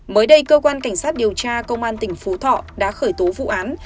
mới đây cơ quan cảnh sát điều tra công an tỉnh phú thọ đã khởi tố vụ án